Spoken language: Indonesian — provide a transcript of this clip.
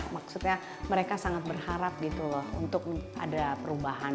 maksudnya mereka sangat berharap gitu loh untuk ada perubahan